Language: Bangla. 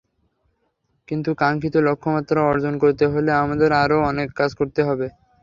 কিন্তু কাঙ্ক্ষিত লক্ষ্যমাত্রা অর্জন করতে হলে আমাদের আরও অনেক কাজ করতে হবে।